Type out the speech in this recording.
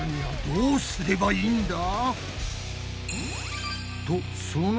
どうすればいいんだ？